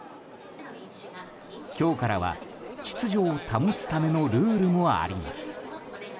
今日からは秩序を保つためのルールもあります。